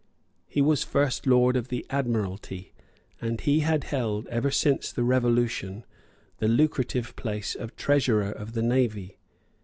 He was First Lord of the Admiralty; and he had held, ever since the Revolution, the lucrative place of Treasurer of the Navy.